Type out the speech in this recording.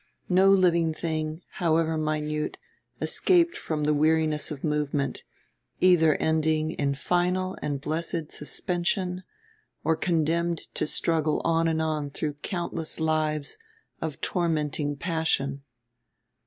No living thing, however minute, escaped from the weariness of movement, either ending in final and blessed suspension or condemned to struggle on and on through countless lives of tormenting passion.